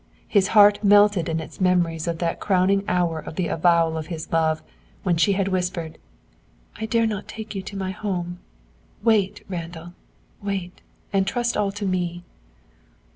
His heart melted in its memories of that crowning hour of the avowal of his love, when she had whispered, "I dare not take you to my home! Wait, Randall, wait, and trust all to me."